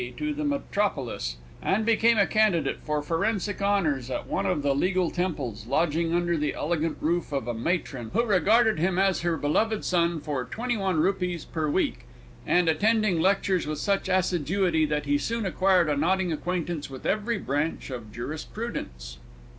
to the Metropolis, and became a candidate for forensic honours at one of the legal temples, lodging under the elegant roof of a matron who regarded him as her beloved son for Rs. 21 per week, and attending lectures with such assiduity that he soon acquired a nodding acquaintance with every branch of jurisprudence.